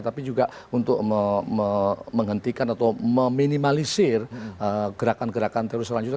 tapi juga untuk menghentikan atau meminimalisir gerakan gerakan teroris selanjutnya